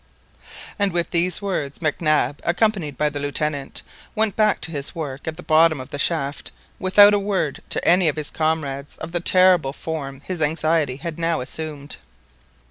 "And with these words Mac Nab, accompanied by the Lieutenant, went back to his work at the bottom of the shaft without a word to any of his comrades of the terrible form his anxiety had now assumed.